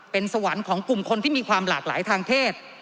เป็นสวรรค์ของกลุ่มคนที่มีความหลากหลายทางเพศ